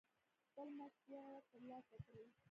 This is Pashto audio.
خپل مشروعیت ترلاسه کړي.